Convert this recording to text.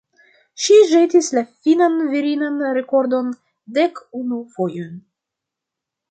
Ŝi ĵetis la finnan virinan rekordon dek unu fojojn.